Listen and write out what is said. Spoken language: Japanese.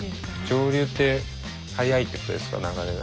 上流って速いってことですか流れが。